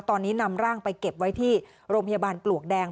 ตอนนี้นำร่างไปเก็บไว้ที่โรงพยาบาลปลวกแดง